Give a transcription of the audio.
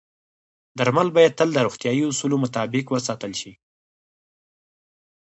درمل باید تل د روغتیايي اصولو مطابق وساتل شي.